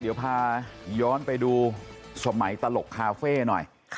เดี๋ยวพาย้อนไปดูสมัยตลกคาเฟ่หน่อย